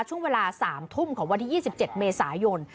ช่วงเวลาสามทุ่มของวันที่ยี่สิบเจ็ดเมษายน